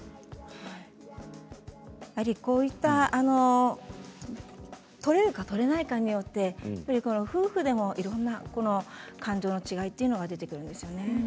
こういった取れるか取れないかによって夫婦でも、いろんな感情の違いが出てくるんですね。